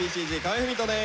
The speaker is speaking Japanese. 郁人です。